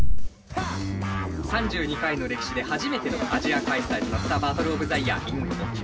３２回の歴史で初めてのアジア開催となったバトルオブザイヤーｉｎ沖縄。